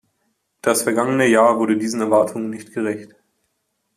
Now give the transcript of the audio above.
Das vergangene Jahr wurde diesen Erwartungen nicht gerecht.